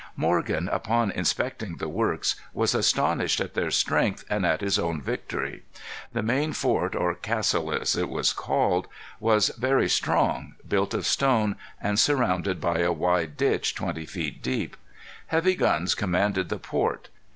Morgan, upon inspecting the works, was astonished at their strength and at his own victory. The main fort, or castle as it was called, was very strong, built of stone, and surrounded by a wide ditch twenty feet deep. Heavy guns commanded the port.